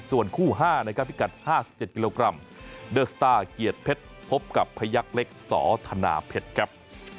ส่วนคู่๕นะครับพิกัด๕๗กิโลกรัมเดอร์สตาร์เกียรติเพชรพบกับพยักษ์เล็กสอธนาเพชรครับ